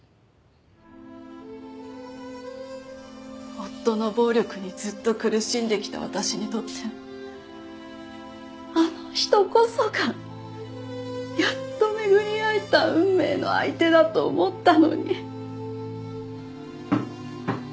夫の暴力にずっと苦しんできた私にとってあの人こそがやっと巡り会えた運命の相手だと思ったのに。